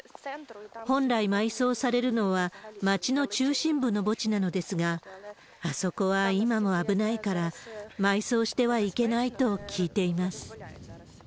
本来、埋葬されるのは町の中心部の墓地なのですが、あそこは今も危ないから、埋葬してはいけないと聞いています。